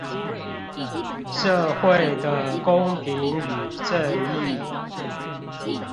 社會的公平與正義